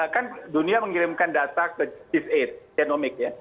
kan dunia mengirimkan data ke chief delapan genomic ya